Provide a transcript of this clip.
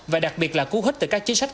và đặc biệt là cú hít từ các chính sách